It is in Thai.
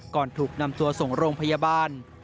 ก่อนถูกนำตัวส่งโรงพยาบาล